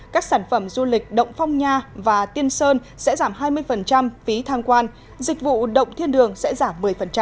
các sản phẩm du lịch động phong nha và tiên sơn sẽ giảm hai mươi phí tham quan dịch vụ động thiên đường sẽ giảm một mươi